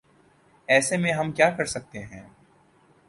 ایسے میں ہم کیا کر سکتے ہیں ۔